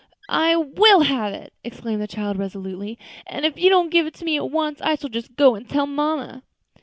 "I will have it," exclaimed the child, resolutely, "and if you don't give it to me at once I shall just go and tell mamma."